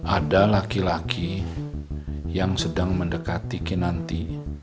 ada laki laki yang sedang mendekati kinanti